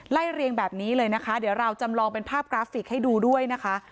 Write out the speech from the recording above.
เรียงแบบนี้เลยนะคะเดี๋ยวเราจำลองเป็นภาพกราฟิกให้ดูด้วยนะคะ